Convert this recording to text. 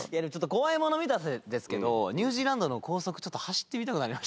怖いもの見たさですけどニュージーランドの高速走ってみたくなりましたね。